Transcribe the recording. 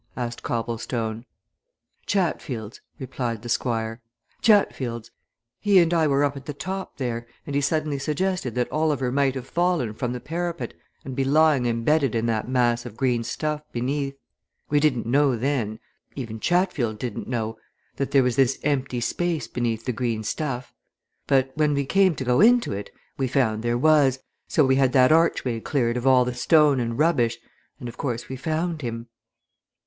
asked Copplestone. "Chatfield's," replied the Squire. "Chatfield's. He and I were up at the top there, and he suddenly suggested that Oliver might have fallen from the parapet and be lying embedded in that mass of green stuff beneath. We didn't know then even Chatfield didn't know that there was this empty space beneath the green stuff. But when we came to go into it, we found there was, so we had that archway cleared of all the stone and rubbish and of course we found him."